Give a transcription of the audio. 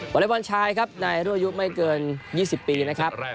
วันให้วันชายครับในร่วมยุคไม่เกิน๒๐ปีนะครับ